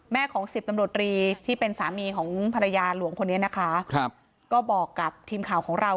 ของสิบตำรวจรีที่เป็นสามีของภรรยาหลวงคนนี้นะคะครับก็บอกกับทีมข่าวของเรา